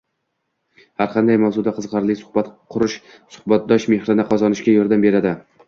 Har qanday mavzuda qiziqarli suhbat qurish suhbatdosh mehrini qozonishga yordam beradi.